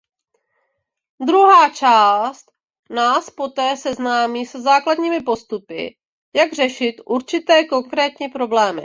Druhá část nás poté seznámí se základními postupy, jak řešit určité konkrétní problémy.